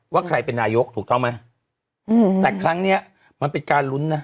ว่าใครเป็นนายกถูกต้องไหมอืมแต่ครั้งเนี้ยมันเป็นการลุ้นนะ